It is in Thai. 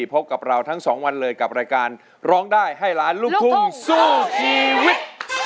พบกับเราทั้งสองวันเลยกับรายการร้องได้ให้ล้านลูกทุ่งสู้ชีวิต